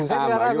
saya tidak ragu